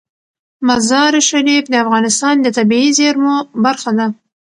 مزارشریف د افغانستان د طبیعي زیرمو برخه ده.